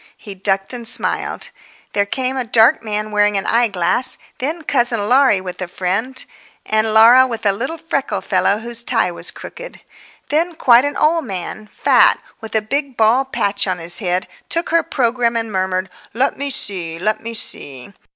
He ducked and smiled. There came a dark man wearing an eyeglass, then cousin Laurie with a friend, and Laura with a little freckled fellow whose tie was crooked. Then quite an old man—fat, with a big bald patch on his head—took her programme and murmured, "Let me see, let me see!"